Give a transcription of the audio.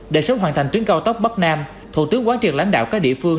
để sớm hoàn thành tuyến cao tốc bắc nam thủ tướng quán triệt lãnh đạo các địa phương